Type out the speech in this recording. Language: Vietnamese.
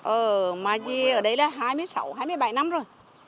ờ mà ở đấy là hai mươi sáu hai mươi bảy năm rồi